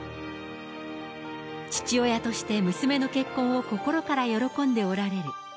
父親として娘の結婚を心から喜んでおられる。